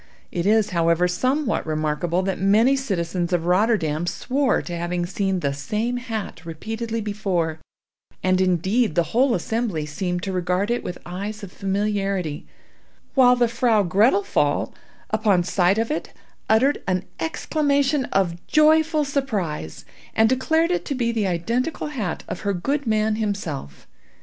It is, however, somewhat remarkable that many citizens of Rotterdam swore to having seen the same hat repeatedly before; and indeed the whole assembly seemed to regard it with eyes of familiarity; while the vrow Grettel Pfaall, upon sight of it, uttered an exclamation of joyful surprise, and declared it to be the identical hat of her good man himself.